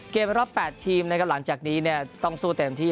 รอบ๘ทีมนะครับหลังจากนี้เนี่ยต้องสู้เต็มที่